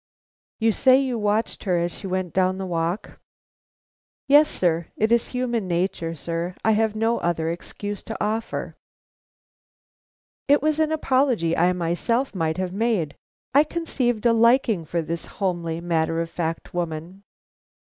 "You say you watched her as she went down the walk?" "Yes, sir; it is human nature, sir; I have no other excuse to offer." It was an apology I myself might have made. I conceived a liking for this homely matter of fact woman.